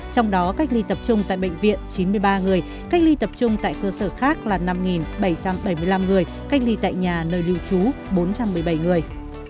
trong đó cách ly tập trung tại bệnh viện chín mươi ba người cách ly tập trung tại cơ sở khác là năm bảy trăm bảy mươi năm người cách ly tại nhà nơi lưu trú bốn trăm một mươi bảy người